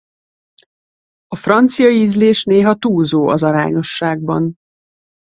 A francia ízlés néha túlzó az arányosságban.